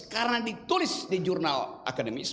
karena ditulis di jurnal akademis